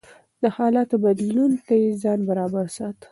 د حالاتو بدلون ته يې ځان برابر ساته.